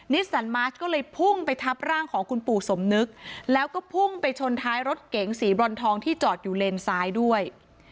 สันมาสก็เลยพุ่งไปทับร่างของคุณปู่สมนึกแล้วก็พุ่งไปชนท้ายรถเก๋งสีบรอนทองที่จอดอยู่เลนซ้ายด้วย